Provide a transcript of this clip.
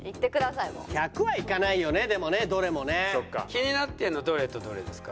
気になってるのはどれとどれですか？